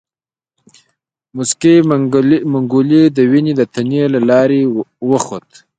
موسکی منګلی د ونې د تنې له لارې وخوت.